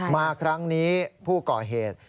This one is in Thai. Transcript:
มาครั้งนี้ผู้ก่อเหตุ